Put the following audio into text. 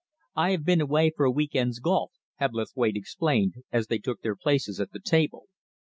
"I have been away for a week end's golf," Hebblethwaite explained, as they took their places at the table.